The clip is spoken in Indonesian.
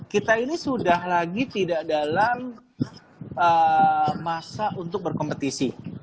kita ini sudah lagi tidak dalam masa untuk berkompetisi